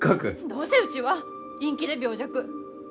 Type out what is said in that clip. どうせうちは陰気で病弱。